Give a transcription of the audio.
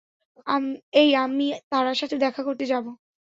এই, আমি তারার সাথে দেখা করতে যাবো।